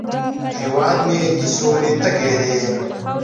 هیواد مې د سولې تږی دی